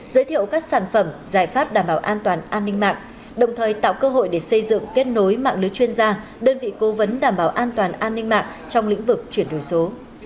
giới thiệu các sản phẩm giải pháp đảm bảo an toàn an ninh mạng đồng thời tạo cơ hội để xây dựng kết nối mạng lưới chuyên gia đơn vị cố vấn đảm bảo an toàn an ninh mạng trong lĩnh vực chuyển đổi số